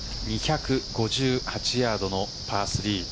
２５８ヤードのパー３。